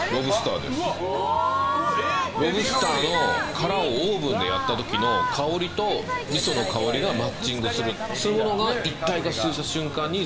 ロブスターの殻をオーブンで焼いた時の香りと、みその香りがマッチングする。